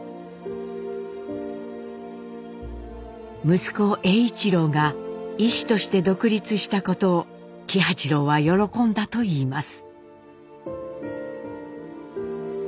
息子栄一郎が医師として独立したことを喜八郎は喜んだといいます。